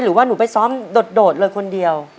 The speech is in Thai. หรือว่าหนูไปซ้อมโดดเลยคนเดียว